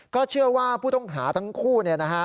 ก็เชื่อว่าผู้ต้องหาทั้งคู่